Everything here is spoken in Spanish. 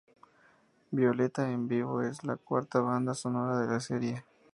Violetta en vivo es la cuarta banda sonora de la serie.